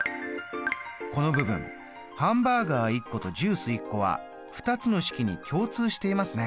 この部分ハンバーガー１個とジュース１個は２つの式に共通していますね。